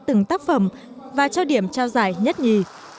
từng tác phẩm và cho điểm trao giải nhất nhì